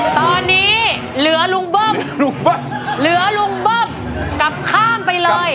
ตอนนี้เหลือลุงเบิ้มลุงเบิ้มเหลือลุงเบิ้มกลับข้ามไปเลย